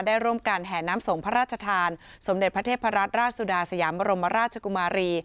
ได้ร่วมกันแห่น้ำส่งพระราชทานสมเด็จพระเทพรัตนราชสุดาสยามบรมราชกุมารี